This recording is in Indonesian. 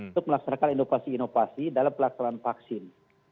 untuk melaksanakan inovasi inovasi dalam pelaksanaan vaksin